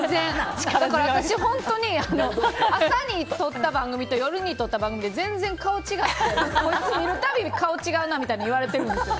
私、本当に朝に撮った番組と夜に撮った番組で全然、顔が違ってこいつ見るたび顔違うなみたいに言われてるんですよ。